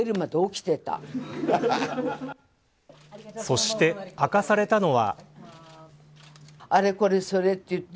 そして明かされたのは。